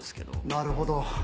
なるほど。